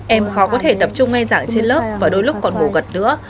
em khó có thể tập trung ngay dạng trên lớp và đôi lúc còn ngủ gật nữa